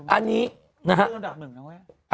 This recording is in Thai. อันนี้นะฮะ